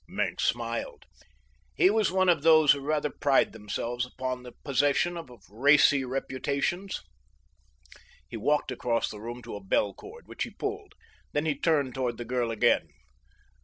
Maenck smiled. He was one of those who rather pride themselves upon the possession of racy reputations. He walked across the room to a bell cord which he pulled. Then he turned toward the girl again.